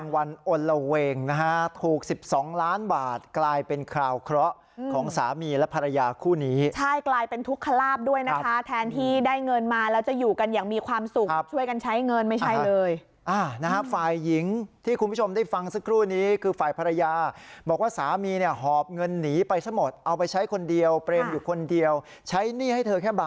วันอลละเวงนะฮะถูก๑๒ล้านบาทกลายเป็นคราวเคราะห์ของสามีและภรรยาคู่นี้ใช่กลายเป็นทุกขลาบด้วยนะคะแทนที่ได้เงินมาแล้วจะอยู่กันอย่างมีความสุขช่วยกันใช้เงินไม่ใช่เลยนะฮะฝ่ายหญิงที่คุณผู้ชมได้ฟังสักครู่นี้คือฝ่ายภรรยาบอกว่าสามีเนี่ยหอบเงินหนีไปซะหมดเอาไปใช้คนเดียวเปรมอยู่คนเดียวใช้หนี้ให้เธอแค่บ